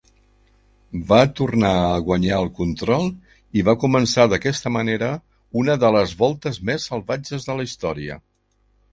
Va tornar a guanyar el control i va començar d'aquesta manera una de les voltes més salvatges de la història.